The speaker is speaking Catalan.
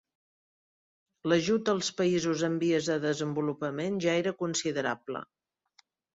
L'ajut als països en vies de desenvolupament ja era considerable.